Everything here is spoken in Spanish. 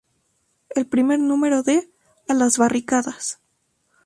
El primer número de "¡A las Barricadas!